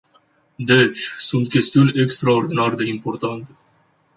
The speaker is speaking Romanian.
Deci, sunt chestiuni extraordinar de importante.